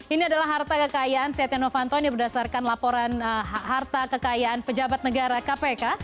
ini adalah harta kekayaan setia novanto ini berdasarkan laporan harta kekayaan pejabat negara kpk